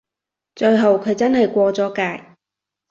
最後佢真係過咗界